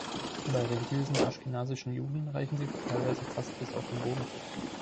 Bei religiösen aschkenasischen Juden reichen sie teilweise fast bis auf den Boden.